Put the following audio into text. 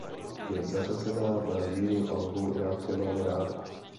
Je zařazená na jejím albu "Já tě mám ráda".